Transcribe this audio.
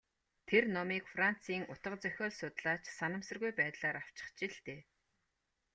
Тэр номыг Францын утга зохиол судлаач санамсаргүй байдлаар авчхаж л дээ.